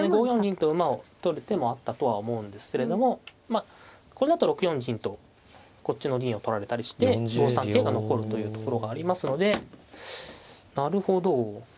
５四銀と馬を取る手もあったとは思うんですけれどもまあこれだと６四銀とこっちの銀を取られたりして５三桂が残るというところがありますのでなるほど。